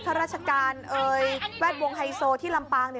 ข้าราชการเอ่ยแวดวงไฮโซที่ลำปางเนี่ย